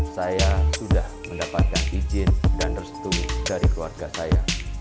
saya sudah mendapatkan izin dan restu dari keluarga saya